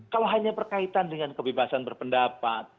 kalau hanya berkaitan dengan kebebasan berpendapat